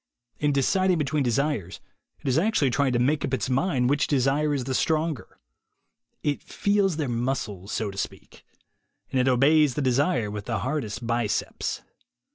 In deciding between desires, it is actually trying to make up its mind which desire is the stronger. It feels their muscles, so to speak. And it obeys the desire with the hardest biceps.